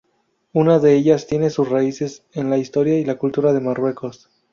Una de ellas tiene sus raíces en la historia y la cultura de Marruecos.